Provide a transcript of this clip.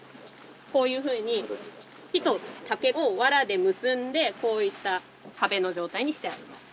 こういうふうに木と竹をワラで結んでこういった壁の状態にしてあります。